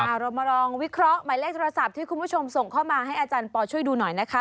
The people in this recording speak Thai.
เรามาลองวิเคราะห์หมายเลขโทรศัพท์ที่คุณผู้ชมส่งเข้ามาให้อาจารย์ปอช่วยดูหน่อยนะคะ